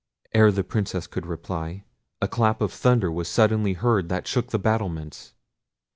Ere the Princess could reply, a clap of thunder was suddenly heard that shook the battlements.